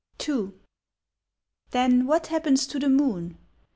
II. Then what happens to the moon?